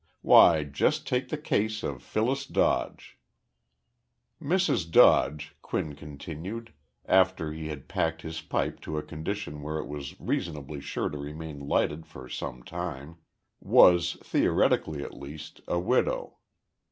"Why, just take the case of Phyllis Dodge...." Mrs. Dodge [Quinn continued, after he had packed his pipe to a condition where it was reasonably sure to remain lighted for some time] was, theoretically at least, a widow.